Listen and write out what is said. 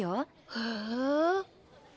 へえ。